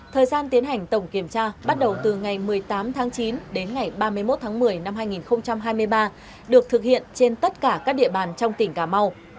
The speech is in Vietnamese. thời gian tiến hành tổng kiểm tra bắt đầu từ ngày một mươi tám tháng chín đến ngày ba mươi một tháng một mươi năm hai nghìn hai mươi ba được thực hiện trên tất cả các địa bàn trong tỉnh cà mau